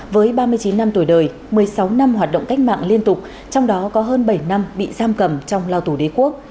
với ba mươi chín năm tuổi đời một mươi sáu năm hoạt động cách mạng liên tục trong đó có hơn bảy năm bị giam cầm trong lao tù đế quốc